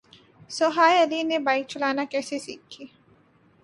سوہائے علی نے بائیک چلانا کیسے سیکھی